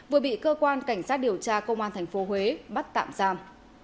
vừa bị cơ quan cảnh sát điều tra công an tp huế bắt tạm giam